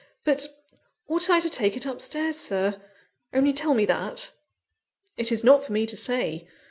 "But ought I to take it up stairs, Sir? only tell me that!" "It is not for me to say.